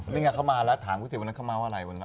นี่ไงเขามาแล้วถามเขาสิวันนั้นเขาเมาส์อะไรวันนั้น